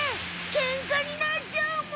ケンカになっちゃうむ！